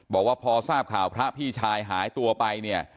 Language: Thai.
บอกว่าพอทราบข่าวพระพี่ชายหายตัวไปเนี่ย